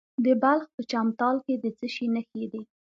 د بلخ په چمتال کې د څه شي نښې دي؟